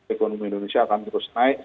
ekonomi indonesia akan terus naik